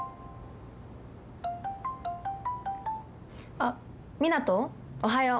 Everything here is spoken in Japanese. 「あっ湊斗おはよう」